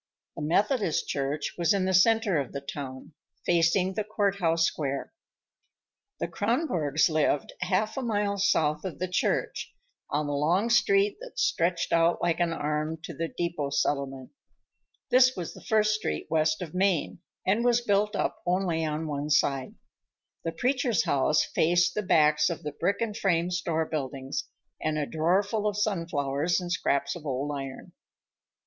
The Methodist Church was in the center of the town, facing the court house square. The Kronborgs lived half a mile south of the church, on the long street that stretched out like an arm to the depot settlement. This was the first street west of Main, and was built up only on one side. The preacher's house faced the backs of the brick and frame store buildings and a draw full of sunflowers and scraps of old iron.